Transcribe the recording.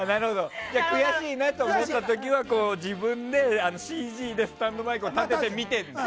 悔しいなって思った時は自分でＣＧでスタンドマイクを立てて見てるんだ。